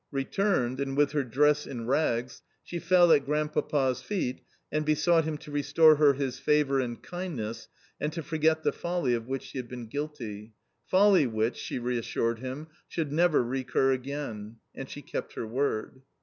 Returned, and with her dress in rags, she fell at Grandpapa's feet, and besought him to restore her his favour and kindness, and to forget the folly of which she had been guilty folly which, she assured him, should never recur again. And she kept her word.